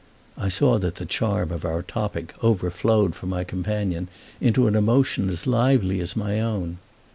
I saw that the charm of our topic overflowed for my companion into an emotion as lively as my own.